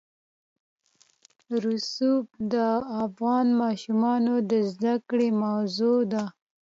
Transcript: رسوب د افغان ماشومانو د زده کړې موضوع ده.